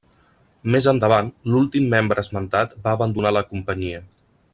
Més endavant, l'últim membre esmentat va abandonar la companyia.